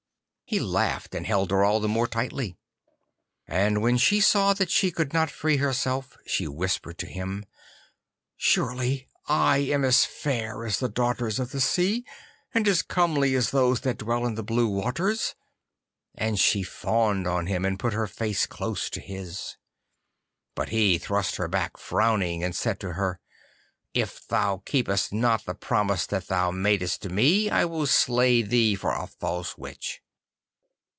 He laughed, and held her all the more tightly. And when she saw that she could not free herself, she whispered to him, 'Surely I am as fair as the daughters of the sea, and as comely as those that dwell in the blue waters,' and she fawned on him and put her face close to his. But he thrust her back frowning, and said to her, 'If thou keepest not the promise that thou madest to me I will slay thee for a false witch.